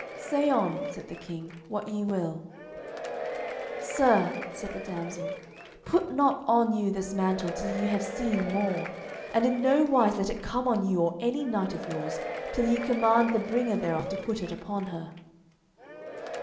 "Say on," said the King, "what ye will." "Sir," said the damsel, "put not on you this mantle till ye have seen more, and in no wise let it come on you or any knight of yours, till ye command the bringer thereof to put it upon her."